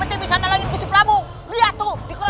tolongin gusih prabu raden